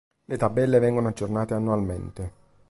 Le tabelle vengono aggiornate annualmente.